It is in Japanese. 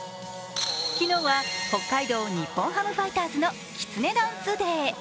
昨日は北海道日本ハムファイターズのきつねダンスＤＡＹ。